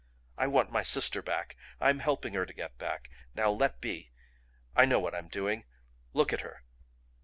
I want my sister back. I'm helping her to get back. Now let be. I know what I'm doing. Look at her!"